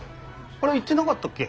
あれ言ってなかったっけ。